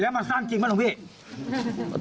แล้วมาสร้างจริงไหมหลวงพี่